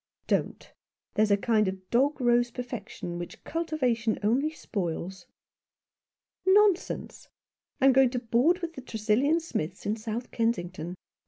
" Don't. There is a kind of dog rose perfection which cultivation only spoils." " Nonsense ! I am going to board with the Tresillian Smiths in South Kensington."